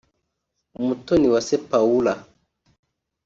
Umutoniwase Paula